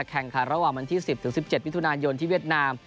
แข่งขันระหว่างวันที่๑๐๑๗มิถุนายนที่เวียดนาม